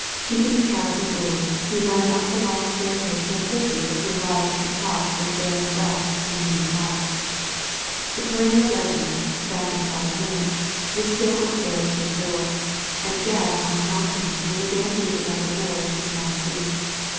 Keep ing the cab at the door, he ran up the long staircase so quickly that he arrived at the top with failing breath and beating heart The perennial legend, " Back in five minutes," was still on the barrister's door, and Gebb on knocking was again greeted by the boy in the small suit.